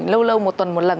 lâu lâu một tuần một lần